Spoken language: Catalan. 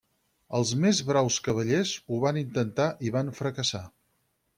Els més braus cavallers ho van intentar i van fracassar.